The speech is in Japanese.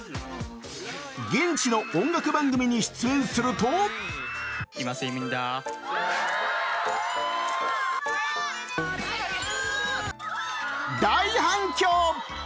現地の音楽番組に出演すると大反響！